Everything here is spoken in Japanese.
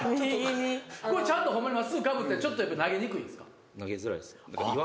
ちゃんとほんまにまっすぐかぶったらちょっとやっぱり投げにくいんですか？